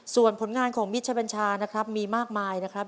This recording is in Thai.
ส่วนผลงานของมิชบัญชานะครับมีมากมายนะครับ